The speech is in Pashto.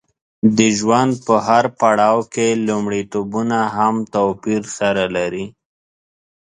د ژوند په هر پړاو کې لومړیتوبونه هم توپیر سره لري.